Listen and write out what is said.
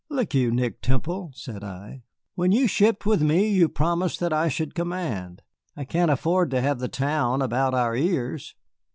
"Look you, Nick Temple," said I, "when you shipped with me you promised that I should command. I can't afford to have the town about our ears."